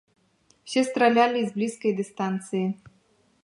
Усе стралялі з блізкай дыстанцыі.